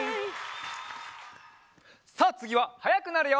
さあつぎははやくなるよ！